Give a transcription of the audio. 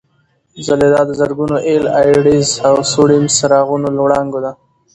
ځلېدا د زرګونو اېل ای ډیز او سوډیم څراغونو له وړانګو ده.